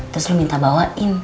terus lo minta bawain